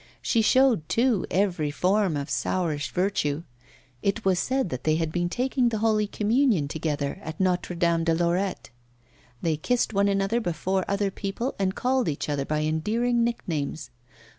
She showed, too, every form of sourish virtue. It was said that they had been seen taking the Holy Communion together at Notre Dame de Lorette. They kissed one another before other people, and called each other by endearing nicknames.